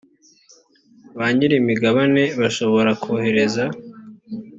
ba nyir imigabane bashobora kohereza